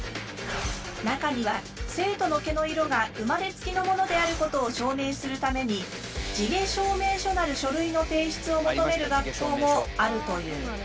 中には生徒の毛の色が生まれつきのものであることを証明するために地毛証明書なる書類の提出を求める学校もあるという。